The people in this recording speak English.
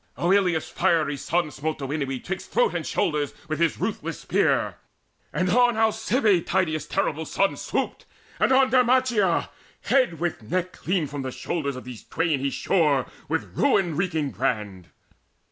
Oileus' fiery son smote Derinoe 'Twixt throat and shoulder with his ruthless spear; And on Alcibie Tydeus' terrible son Swooped, and on Derimacheia: head with neck Clean from the shoulders of these twain he shore With ruin wreaking brand.